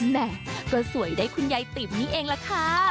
แม่ก็สวยได้คุณยายติ๋มนี่เองล่ะค่ะ